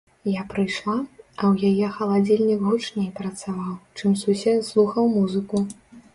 Я прыйшла, а ў яе халадзільнік гучней працаваў, чым сусед слухаў музыку!